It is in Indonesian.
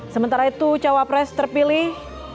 sementara itu cawapres terpilih